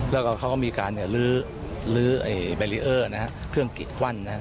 แล้วก็เขาก็มีการลื้อแบรีเออร์เครื่องกิดกวั้น